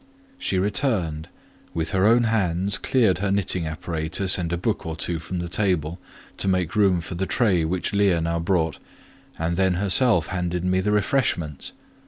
She returned; with her own hands cleared her knitting apparatus and a book or two from the table, to make room for the tray which Leah now brought, and then herself handed me the refreshments.